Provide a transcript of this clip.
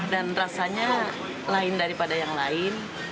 dan rasanya lain daripada yang lain